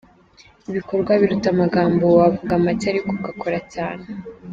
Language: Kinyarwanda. Ibikorwa biruta amagambo, wavuga make ariko ugakora cyane.